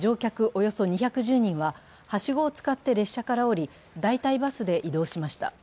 およそ２１０人は、はしごを使って列車から降り代替バスで移動しました。